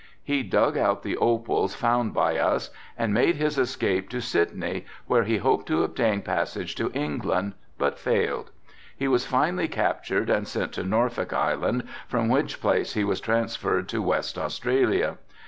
He dug out the opals found by us and made his escape to Sydney where he hoped to obtain passage to England but failed. He was finally captured and sent to Norfolk Island from which place he was transferred to West Australia.